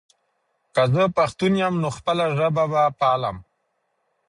که زه پښتون یم، نو خپله ژبه به پالم.